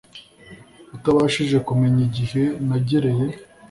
utabashije kumenya igihe nagereye